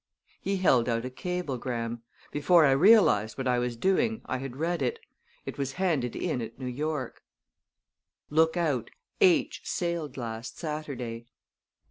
He held out a cablegram. Before I realized what I was doing, I had read it. It was handed in at New York: "Look out! H sailed last Saturday!"